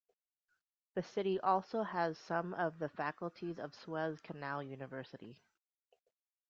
The city also has some of the faculties of Suez Canal University.